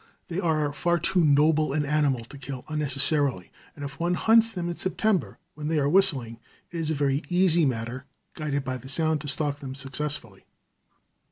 They are far too noble an animal to kill unnecessarily, and if one hunts them in September, when they are whistling, it is a very easy matter, guided by the sound, to stalk them successfully.